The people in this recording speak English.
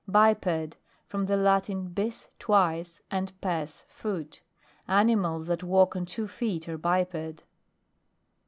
BIPED From the Latin, bis, twice, and pes, foot. Animals that walk on two feet are biped.